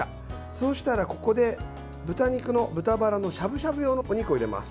そうしたらここで豚肉の豚バラのしゃぶしゃぶ用のお肉を入れます。